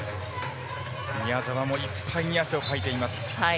宮澤もいっぱい汗をかいています。